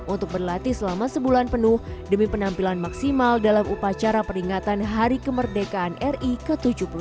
untuk berlatih selama sebulan penuh demi penampilan maksimal dalam upacara peringatan hari kemerdekaan ri ke tujuh puluh satu